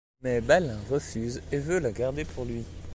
Mais Balin refuse et veut la garder pour lui.